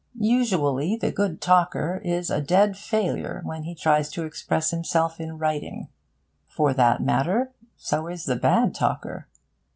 Usually, the good talker is a dead failure when he tries to express himself in writing. For that matter, so is the bad talker.